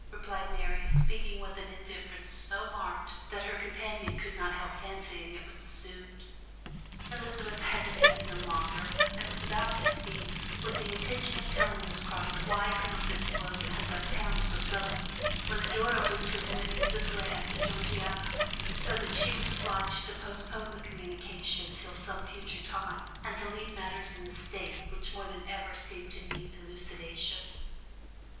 replied Mary, speaking with an indifference so marked that her companion could not help fancying it was assumed. Elizabeth hesitated no longer, and was about to speak, with the intention of telling Miss Crawford why Colonel Fitzwilliam had left town so suddenly, when the door opened to admit Mrs. Grant and Georgiana, so that she was obliged to postpone the communication till some future time, and to leave matters in a state which more than ever seemed to need elucidation.